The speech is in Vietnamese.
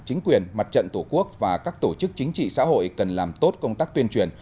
chính quyền mặt trận tổ quốc và các tổ chức chính trị xã hội cần làm tốt công tác tuyên truyền